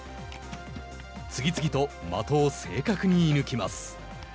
次々と的を正確に射ぬきます。